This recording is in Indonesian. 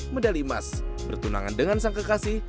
medali emas bertunangan dengan sang kekasih